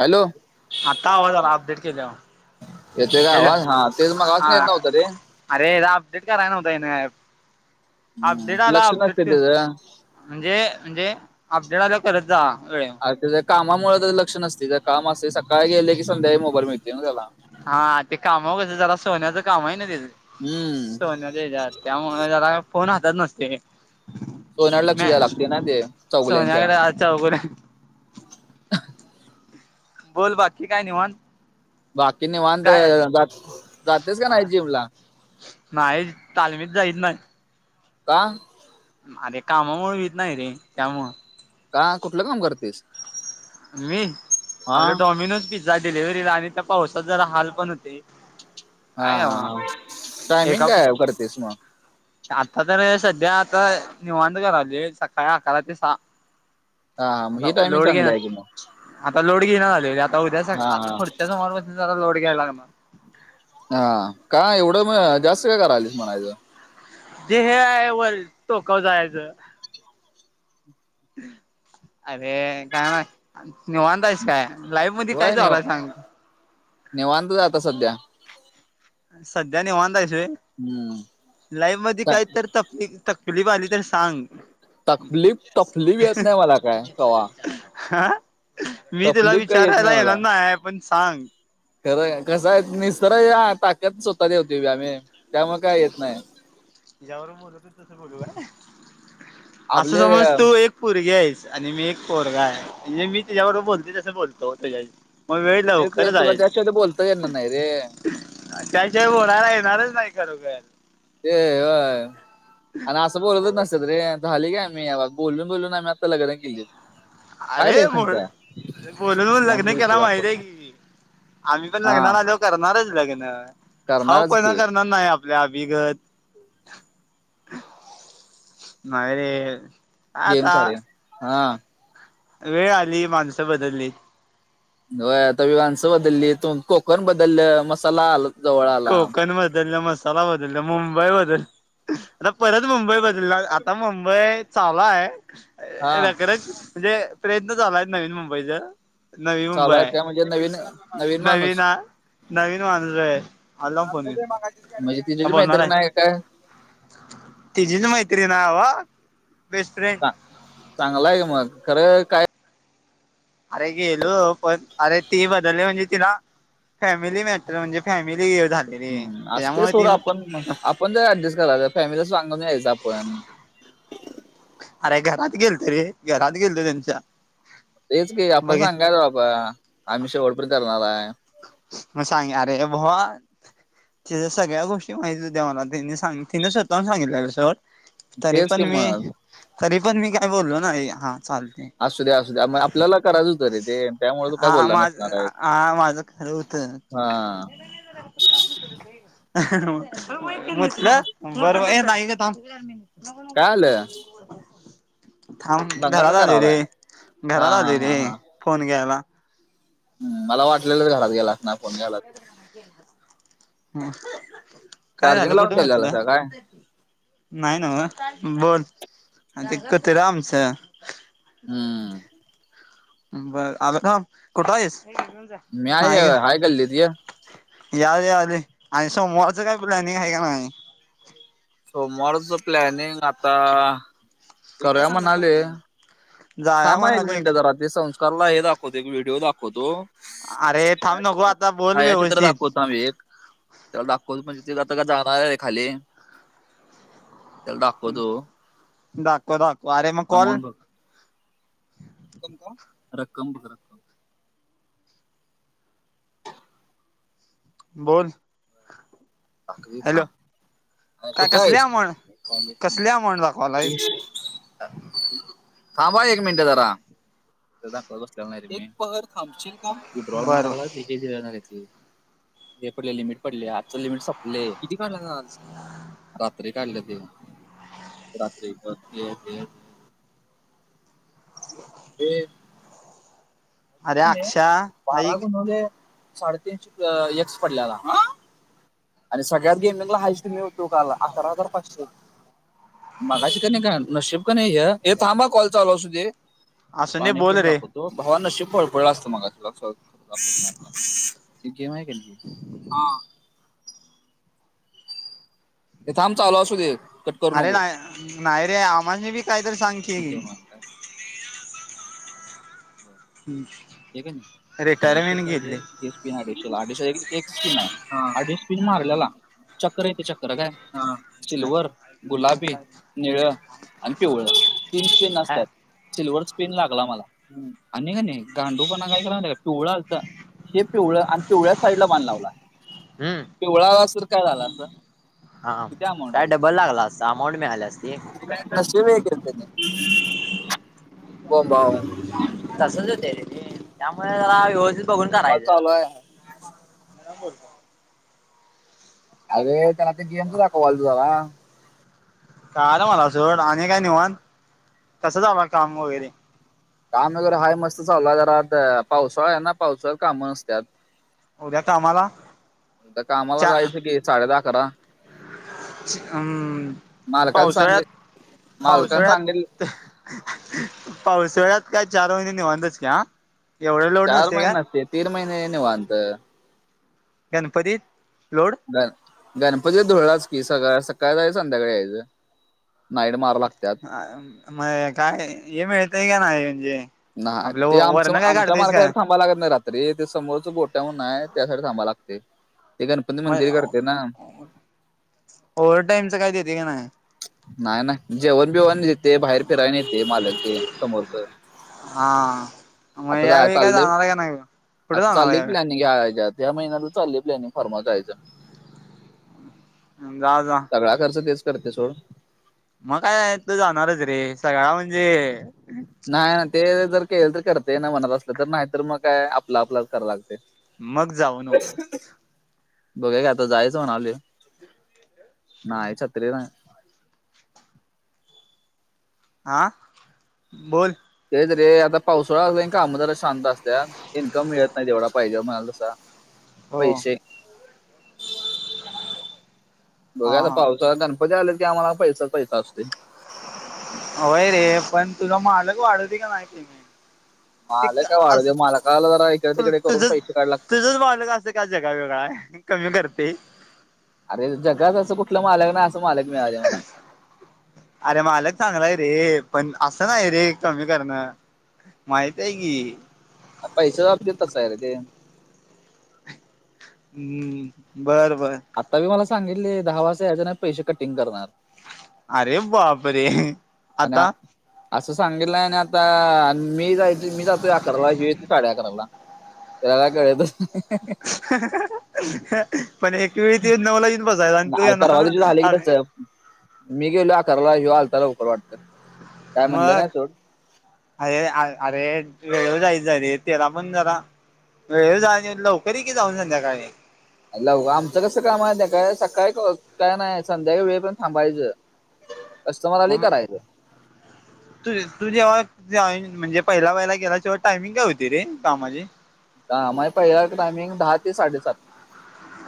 Hello आंता आवांज आंला अपडेट केल्यांवरं येतो कायं आवांज हां तेचं मंग गांशी येतं नव्हतं रे अरेदा अपडेट करां नं होतांय हम्म. अपडेट आं लक्ष अपडेट नसते कां त्याचं म्हंणजे अपडेट आल्यां करतं जां अं कामांमुळे त्यां लंक्ष नसते त्यां कामं असे सकाळीं गेले की संध्याळी मोबाईल मिळते नां त्यांला हां ते कांम कसं त्यांला सोन्याचं कामंही नां त्यांचं हम्म सोन्या त्यांच्यात त्यामुळें जरां फोन हातांत नसते सोनळं लंक्ष द्याय लागते नां ते चौघुल्यांच्या चौगुले बोलं बाकी कायं निवांत बाकीनी निवांत काय जातेस कां नाहीं जीम लां नाहीं तालंमीत जाईचं नाहीं कां आरे कामांमुळे वीेत नाहीं रे त्यामुळं कां कुठलं कामं करतेसं मी आपल्या डॉमिनोज पिझ्झा डिलेिव्हरीला आणि त्यां पावसांत जरां हालं पणं होते हां काय हां नव्ह. हां टायमिंग कायं आंता तरं संध्या आंता निवांत कराले सकाळीं अकरा ते सहा हा हा मग आंता ही टायमिंग लोड चांगली घेना आहे की मग आंता लोड घेना झाले आंता उद्यां स हा हा आंता पुढच्यां समोर लोड घ्यायला कां मंग हां कां एवढं मं जास्तं कायं करालीस म्हणायचं जे हे आहे वरं टोकांवर जायचं अरे कायं नीवांतायसं कायं लाईव मध्यें कायं लाईव्ह मध्यें कायं होय चालूं निवा आहे सांग निवांत जांता संध्या संध्या निवांत आहेस रे हम्म लाईव्ह मध्यें काय कांहींतरी ते ली आली तरं सांग तकलीफ तकलीफ येतं नाहीं मलां कायं कवांहा मी तिला काय येत नाही विचारांयला मला येणारं नाहीं आहे पणं सांग खरं कसं आहे निसतरं ताकद स्वंतःला तवती आमे त्यांमुळे कायं येतं नाहीं वरतं ते बघं असं आपले समजं तो एक पोरंगी आहेस आणि मी एक पोरंगा आहे म्हणजे मी तीच्या्याबरोबर बोलते तसं बोलतो त्यांच्या शी ते तुलां जास्तं बोलतां येणारं नाहीं रे त्यांच्यात होणांरला येणारं चं नाहीं खरोखरं ते होयं आणि असं बोलतं चं नसतं तं रे झाले कां आम्हीं बोलूंन बोलूंन आम्हीं आंता लग्नं केली काय अरे रे संख्या बोलं बोलूंन सलाम तू लग्नं विषय केलां महिती आहे दाखवतो की आम्हीं पणं हा लग्नां आलो करणारं चं लग्नं हां करणारच पणं की करणारं नाहीं अभिगतं नाहीं रे गेम सारे हां वेळं आंली माणसं बदलली हो आंता माणसं बदलली तो कोंकण बदललं मसांला कोंकण बंदल नां मसांला बंदलला मुंबई बंदल आंता परंत मुंबई बदलणारं आंता मुंबई चालां आहे हा खरंच म्हणजे प्रयंत्न चालांय नवीन मुंबईचाँ नवी चालू मुंबई आहेत काय म्हणजे नवीन नवीन माणूस आ नवीन माणूस आय. म्हणजे तिझच बोलणार आहे मैत्र आय का काय? तिचीच मैत्रीण आय वा, बेस्ट फ्रेंड. चांगला आयका मग? खरं काय अरे गेलो पण, अरे ती बदली म्हनजे तीला फॅमिली मॅटर म्हणजे फॅमिली झाल. असतय सोड, मग आपण आपण जरा ऍडजस्ट करायच फॅमिलीला सांगून यायचं आपण. अरे घरात गेलतो रे, घरात गेलतो त्यांच्या. तेच की, आपण बघे सांगायच बाबा आम्ही शेवट पर्यंत करणाराय. म सांग अरे भावा तिज्या सगळ्या गोष्टी माहिती होत्या मला त्यांनी सां तिने स्वतःहून सांगितल्यालं सोड. तरी तेच की पण मी, मग तरी पण मी काय बोललो नाही हा चाल असूद्या असूद्या मग आपल्याला करायचं हुतं रे ते, त्यामुळे तू काय हा बोलला माझ नसणार आयस. हा माझं [inaudible] म्हटलं बरं ए नाही ग थांब. नगो नगो काय तुझ आलं नको तू बोलतोयस. थांब दंगा का घरात आलूय करावलाय रे, हा घरात हा आलूय हा रे, हा फोन घ्यायला. मला वाटलेलंच घरात गेला आसनार फोन घ्याला. हम्म, काय चार्जिंग झालं लावून कुठं ठेवलेला मुतला? का काय नाय न्हव बोल आर ते कूत्र आमचं. हम्म. बर आलो थांब कुठं आयस? मी हाय हाय गल्लीत य. यालूय यालूय, आणि सोमवारचं काय प्लॅनिंग हाय का नाय? सोमवारच प्लॅनिंग आता करूया म्हणालूय. जाया थांबा हा एक म्हणाले मिनिटं जरा ते संस्कारला हे दाखवतो व्हिडीओ दाखवतो. अरे थांब नको छायाचित्र, आता बोल छायाचित्र व्यवस्थित दाखव थांब एक त्याला दाखवतो म्हणजे ते आता का जाणार आय खाली. त्याला दाखवतो दाखव दाखव अरे मग कॉल आमाऊंट बघ. रक्कम बघ. बोल. [unintelligible] हॅलो थांब. काय कुठ कसले हाईस? अमाऊंट कसले अमाऊंट दाखवालायस थांब हा एक मिनट जरा. ते दाखवत बसलेला नाय रे मी, एक पहर थांबशील का? विड्रॉल बर माराला हे दिना झाल्याती हे पडले लिमिट पडलिया आजच लिमिट सप लय, किती काढलासा आज? रात्री काढल्याते. रात्री म [unintelligible] [inaudible] हे अरे अक्षा बारा ऐक गुणुले साडेतीनशे एक्स पडल्याला. आणि सगळ्यात गेमिंगला हाईस्ट मि होतो काल अकरा हजार पाचशे, मगाशी क नी काल नशीब क नाय ह्य ए थांब हं कॉल चालू असू दे असू दे पाणी बोल पिऊन रे दाखवतो. तो भावा नशीब फळपळल असत मगाशी. ती गेम हाय [unintelligible] ये थांब चालू असू दे करू अरे नको नाही, नाही रे, आमासनी बी कायतरी सांग की. ही गेम आहे काय हे रिटायरमेंट गेतलय. न अडीचशेला, अडीश एक स्पिन आहे, अडीचशपिन मारलेला. चक्कर येतय, चक्कर काय, हां. सिल्वर, गुलाबी, निळं आणि पिवळ तीन तीन हा असत्यात. सिल्ववरर पिन लागला मला. आणि का नाही गांडूपणा काय केला नाही का पिवळा आलता हेे पिवळा आणि पिवळ्या साईड ला बान लागला हम्म पिवळा्या सर काय झालं हा काय डबल लागला असता अमाऊंट मिळाली असती. [unintelligible] बोबबोब. तसंच होतय रे त्यामुळे जरा व्यवस्थित बघून कॉल करायचं. चालू आहे अरे त्याला ते गेमच दाखवलंतो जरा कळालं मला सोड आणि काय निवांत कसं झालं काम वगैरे काम वगैरे हा मस्त चालला तर आता पावसाळळा आहे ना पावसाळ कामं नसत्यात. उद्या कामाला कामाला चा जायचं की साडे दहा अकरा अम् मालकानं पावसाळ्यात सांगित मालकानं सांगितलं पावसाळ्यात पावसावळ्यात काय चार महिने निवांतच कि आ चार महिन नसतंय तीन महिने निवात. गणपतीत लोड गण गणपती धुळळाच की सकाळी सकाळी जायच संध्याकाळी यायचं. नाईड मार म काय हे मिळतय का नाही म्हणजे, नाही ते आपलं ते आमच वरण काय आमच्या काढतायस मार्गावर काय थांब थां लागत नाही रात्री ते समोरच गोट्याून म्हणून आहे त्यासाठी थांबा लागतय. म ओवर्हर टाईमच काय देतंय की नाही? नाही नाही, जेवण बिवण देते बाहेर फिरायला नेतय मालक ते समोरच. हा मग आता या जा वेळी कुठं जाणार आहे का नाही मग कुठं जाणार यावेळी? घ्याच्या ह्या महिन्यात चालले प्लनि फर्माचचायचं जा जा. सगळा खर्च तेच करते सोड. मग काय तू जाणारच रे सगळा म्हणजे, नाही ना ते जर केलं तर करतय ना मनात असलं तर नाहीतर मग काय आपला आपला करां लागतय मग जाऊ नको. बघुऊया कि आता जायच म्हणालोय नाही छत्री नाही. आा बोल तेच रे आता पावसाळाय काम जरा सुस शांत असत इन्कम मिळत नाही तेवढा पाहिजे म्हणाल तसा हो पैसे हा बघुया आता हा पावसाळा गणपती आल्या की आम्हाला पैसा पैसा असतोय. होय रे पण तुला मालक वाढवतोय कय नाही पेमेंट? त मालक काय वाढू दे मालकाला जरा इकडे तु तिकडे तुझ करून पैसे काढायला लागतात. तुझच बालक असं काय जगा वेगळा आहे कमी करतय. अरे जगात असं कुठलं मालक नाही असं मालक मिळालय मला. अरे मालक चांगलाय रे पण असं नाही रे कमी कर णं माहती आहे की आरे पैसाच्या बाबतीत तस हाय रे ते हम बर बर आता बी मला सांगितलय दहा वाजता यायच नाही पैसे कटिंग करणार अरे बाप रे आणि आता असं सांगितलाय आणि आता मी जायच मी जातोय अकराला ह्यो येतोय साडे अकराला त्याला काय कळतच नाय पण एक वेळी त्यो नऊला येऊन बसायला आणि तू नाही येणार परवा म दिवशी झालं की अकरा तसं मी गेलो आकाराला ह्यो आलता लवकर वाटत काय म्हटलं नाही मग सोड अरे अरे तू वेळेवर जाईत जा रे त्याला पण जरा वेळ जायचं आणि लवकर ये की जाऊन संध्याकाळी आरे लव आमचं कसं काम हाय माहिती काय सकाळी काय नाही संध्याकाळी वेळपर्यंत थांबायचं कस्टमर आल की मग करायचं तू तू जेव्हा जॉइन म्हणजे पहिला पहिला गेलास तेव्हा टायमिंग काय होती रे कामाची दहा माझ पहिल्याच टायमिंग दहा ते साडेसात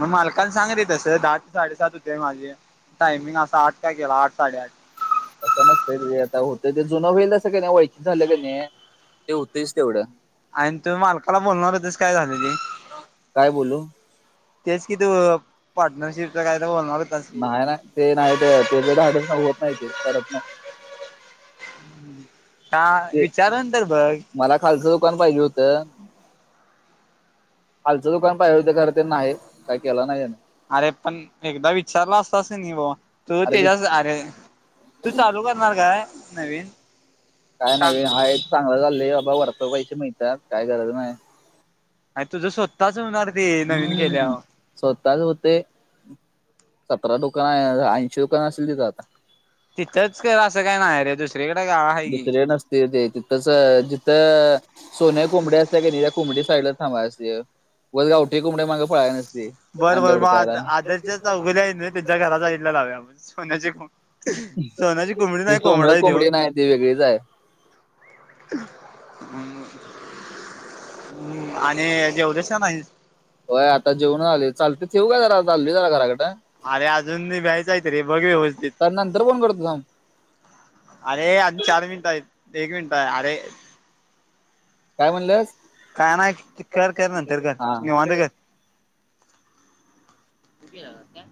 म मालकाला सांग रे तसं दहा ते साडेसात होते माझे टायमिंग असा आठ काय केला आठ साडेआठ तसं नसतंय रे आता होतंय ते जुनं व्हयलं असं कनय वाळकीच झालं कनय ते होतयच तेवढं आणि तु मालकाला बोलणार होतास काय झाल ते काय बोलू तेच का तू पार्टनरशिपच काय तर बोलणार हुतास नाही नाही ते नाही ते त्याच धाडस काय होत नाही ते करत नाही का ते विचारून तर बघ मला खालचं दुकान पाहिजे हुतं खालचं दुकान पाहिजेल हुतं खर ते नाही काय केला नाही त्यानं अरे पण एकदा विचारला असतास कनय भावा तुझं अरे वित- त्येच्याज अरे चालू करणार काय नवीन काय सांग नवीन हाय हेच चांगलं चाललंय बाबा वरच पैसे मिळत्यात काय गरज नाही आणि तुझं स्वतच होणार ते नवीन हम्म केल्यावर स्वतःच हुतय सतरा दुकान आहे ऐंशी दुकान असेतील तिथं आता तिथंच कर असं काय नाही हाय रे दुसरीकड दुसरीकडं गाळा आहे की दुसऱ्याकडं [inaudible] [inaudible] तसं जिथं सोन्यची कोंबडी असत्या कनय त्या कोंबडीच्या साईडलाच थांबायाचं असतय उगाच गावठी कोंडीच्या माग पळायच नसतय बरं बर मग आ आदेशच्या चौघजन आहेत कनय त्यांच्या घरा साईटला लावया आपण सोन्याची कोंबडी सोन्याची ती नाही कोंबडा सोन्याची आहे त्यो कोंबडी नाही ती वेगळीच आहे हम. हम आणि जेवलास का नाहीस होय आता जेवूनच आलोय चालतय ठेऊ का जरा चालोय जरा घराकडं अरे अजून निघायचं आहेत रे बघ यवस्तीत तर नंतर फोन करतो थांब अरे आजुन चार मिनिट आहे एक मिनिट आहे अरे काय म्हणलंस काय नाही कर कर नंतर कर हा. निवांत कर फोन केलालास काय